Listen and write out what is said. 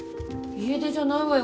家出じゃないわよ。